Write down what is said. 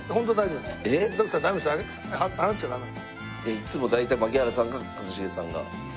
いつも大体槙原さんか一茂さんが。